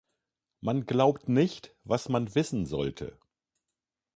Man glaubt nicht, was man wissen sollte.